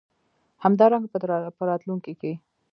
همدارنګه په راتلونکې کې